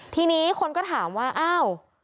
ทีนี้คนก็ถามว่าอ้าว